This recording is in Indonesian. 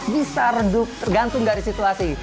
bisa redup tergantung dari situasi